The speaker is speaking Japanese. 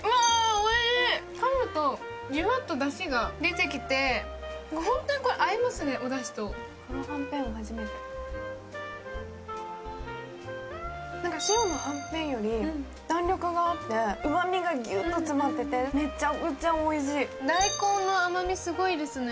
おいしい噛むとジュワッとダシが出てきてホントにこれ合いますねおダシと黒はんぺんは初めて白のはんぺんより弾力があって旨みがギュッと詰まっててめちゃくちゃおいしいだいこんの甘みすごいですね